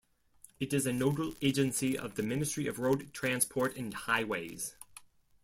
It is a nodal agency of the Ministry of Road Transport and Highways.